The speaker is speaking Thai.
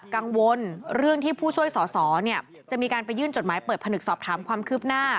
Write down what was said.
กังวลเรื่องที่ผู้ช่วยสอสอจะมีการไปยื่นจดหมายเปิดผนึกสอบถามความคืบหน้า